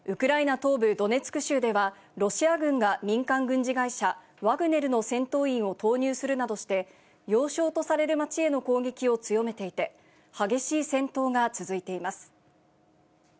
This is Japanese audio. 東部ドネツク州では、ロシア軍が民間軍事会社、ワグネルの戦闘員を投入するなどして、要衝とされる街への攻撃を強めていて、激しい戦闘が続いています。